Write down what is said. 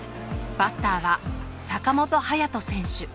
バッターは坂本勇人選手。